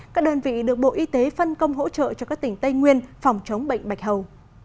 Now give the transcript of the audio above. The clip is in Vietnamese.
các đơn vị được bộ y tế phân công hỗ trợ cho các tỉnh tây nguyên phòng chống bệnh bạch hầu